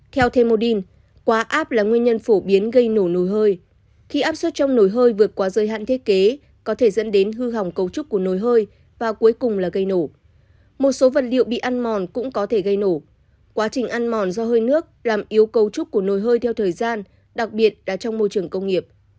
theo the modin quá áp là nguyên nhân phổ biến gây nổ nồi hơi khi áp suất trong nồi hơi vượt qua giới hạn thiết kế có thể dẫn đến hư hỏng cấu trúc của nồi hơi và cuối cùng là gây nổ một số vật liệu bị ăn mòn cũng có thể gây nổ quá trình ăn mòn do hơi nước làm yếu cấu trúc của nồi hơi theo thời gian đặc biệt là trong môi trường công nghiệp